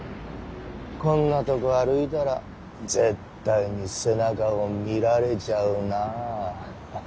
こんなとこ歩いたら絶対に背中を見られちゃうなあッ！